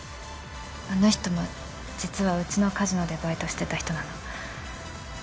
あの人も実はうちのカジノでバイトしてた人なの